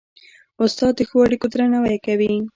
استاد د ښو اړيکو درناوی کوي.